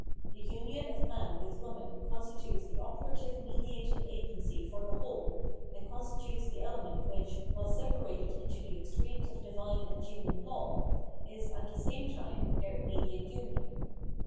The union of man with woman constitutes the operative mediating agency for the whole, and con stitutes the element which, while separated into the extremes of divine and human law, is, at the same time, their immediate union.